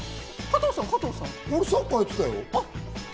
俺、サッカーやってたよ。